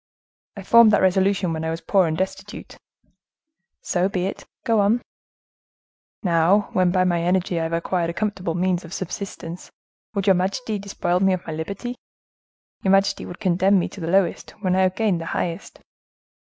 "I formed that resolution when I was poor and destitute." "So be it. Go on." "Now, when by my energy I have acquired a comfortable means of subsistence, would your majesty despoil me of my liberty? Your majesty would condemn me to the lowest, when I have gained the highest?"